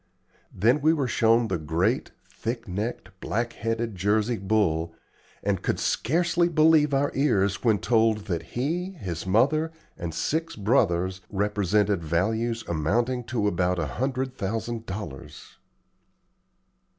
Then we were shown the great, thick necked, black headed Jersey bull, and could scarcely believe our ears when told that he, his mother, and six brothers represented values amounting to about a hundred thousand dollars.